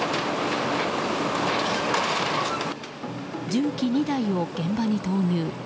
重機２台を現場に投入。